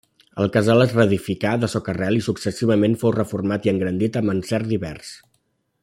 El casal es reedificà de soca-rel i successivament fou reformat i engrandit amb encert divers.